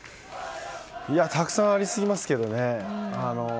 たくさんありすぎますけどね。